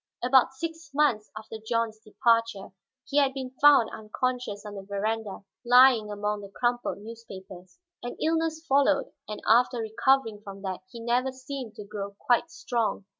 About six months after John's departure, he had been found unconscious on the veranda, lying among the crumpled newspapers. An illness followed, and after recovering from that he never seemed to grow quite strong.